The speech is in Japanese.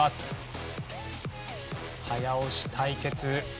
早押し対決。